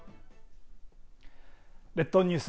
列島ニュース